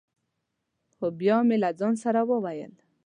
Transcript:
خو بیا مې له ځان سره ویل: